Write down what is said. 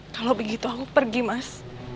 kalau begitu aku pergi mas